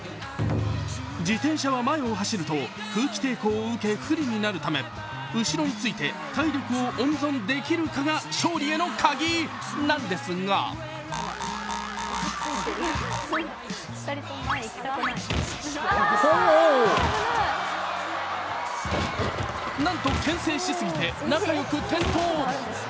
自転車は、前を走ると空気抵抗を受け不利になるため後ろについて、体力を温存できるかが勝利へのカギなんですがなんとけん制しすぎて仲良く転倒。